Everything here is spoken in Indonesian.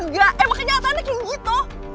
enggak emang kejahatan nya kaya gitu